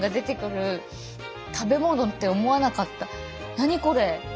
何これ！？